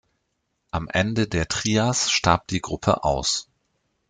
Am Ende der Trias starb die Gruppe aus.